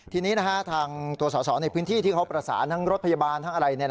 ทีนี้ทางตัวสอสอในพื้นที่ที่เขาประสานทั้งรถพยาบาลทั้งอะไร